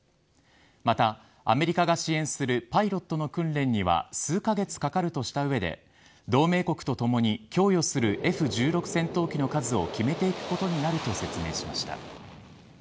また、アメリカが支援するパイロットの訓練には数カ月かかるとした上で同盟国とともに供与するＦ‐１６戦闘機の数を決めていくことになると説明しました。